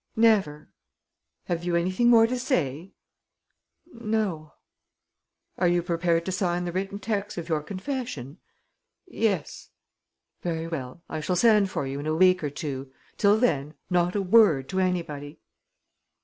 "Never." "Have you anything more to say?" "No." "Are you prepared to sign the written text of your confession?" "Yes." "Very well. I shall send for you in a week or two. Till then, not a word to anybody."